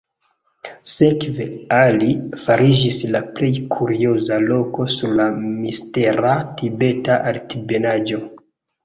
Sekve Ali fariĝis la plej kurioza loko sur la mistera Tibeta Altebenaĵo.